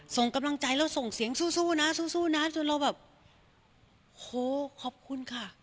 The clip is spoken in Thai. ส่งกำลังใจแล้วส่งเสียงสู้นะสู้นะจนเราแบบโหขอบคุณค่ะ